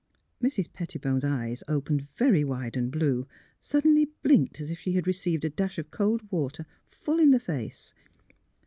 Mrs. Pettibone 's eyes, opened very wide and blue, suddenly blinked as if she had received a dash of cold water full in the face.